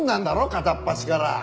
片っ端から。